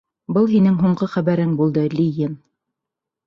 Был һинең һуңғы хәбәрең булды, Лиен.